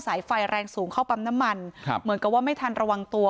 สายไฟแรงสูงเข้าปั๊มน้ำมันครับเหมือนกับว่าไม่ทันระวังตัว